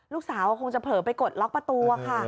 ลูกสาวคงจะเผลอไปกดล็อกประตูค่ะ